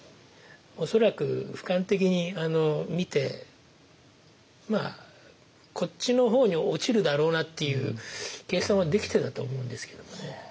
恐らく俯瞰的に見てこっちの方に落ちるだろうなっていう計算はできてたと思うんですけどもね。